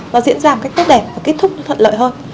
nó diễn ra một cách tốt đẹp và kết thúc nó thuận lợi hơn